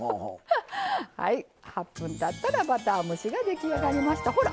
８分たったらバター蒸しが出来上がりました。